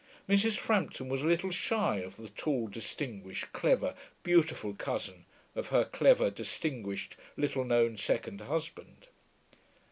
Mrs. Frampton was a little shy of the tall, distinguished, clever, beautiful cousin of her clever, distinguished, little known second husband.